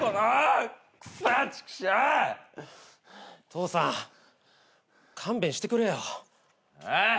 父さん勘弁してくれよ。あぁ！？